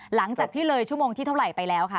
หลังจากที่เลยชั่วโมงที่เท่าไหร่ไปแล้วคะ